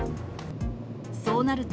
そうなると、